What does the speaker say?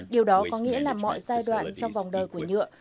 điều đó có nghĩa là mọi giai đoạn trong vòng đời của nhựa